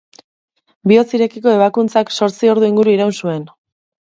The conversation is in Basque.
Bihotz irekiko ebakuntzak zortzi ordu inguru iraun zuen.